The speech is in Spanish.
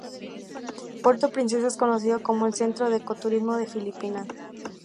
Puerto Princesa es conocido como el Centro de Eco-Turismo de Filipinas.